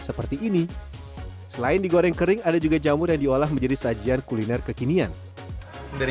seperti ini selain digoreng kering ada juga jamur yang diolah menjadi sajian kuliner kekinian dari